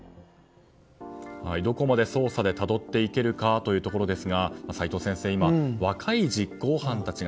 どこまで捜査でたどっていけるかというところですが齋藤先生、今、若い実行犯たちが